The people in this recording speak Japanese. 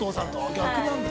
逆なんだ。